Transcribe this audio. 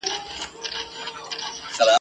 نن به ښه کیسه توده وي د پردي قاتل په کور کي ..